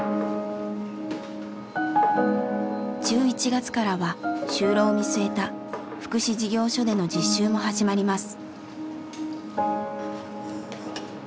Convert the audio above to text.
１１月からは就労を見据えた福祉事業所での実習も始まります。